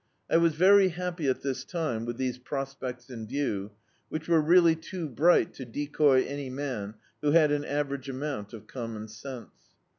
I was very happy at this time, with these prospects in view, which were really too bright to decoy any man who had an average amount of common sense.